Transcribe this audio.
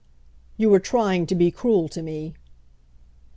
"You are trying to be cruel to me."